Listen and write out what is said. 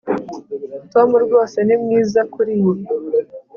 Tom rwose ni mwiza kuriyi